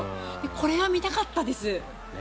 これは見たかったです。